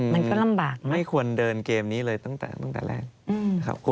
มันก็ลำบากไม่ควรเดินเกมนี้เลยตั้งแต่แรกนะครับ